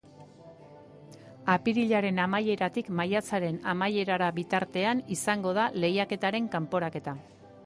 Apirilaren amaieratik maiatzaren amaierara bitartean izango da lehiaketaren kanporaketa.